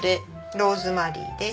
ローズマリーです。